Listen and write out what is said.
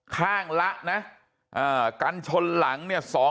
ข้างละนะกันชนหลัง๒๐๐๐๕๐๐